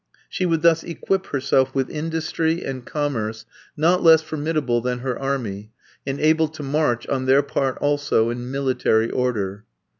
She would thus equip herself with industry and commerce not less formidable than her army, and able to march, on their part also, in military order.